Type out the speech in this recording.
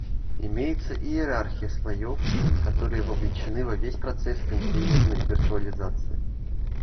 Имеется иерархия слоев, которые вовлечены во весь процесс контейнерной виртуализации